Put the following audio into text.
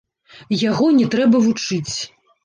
Яго не трэба вучыць.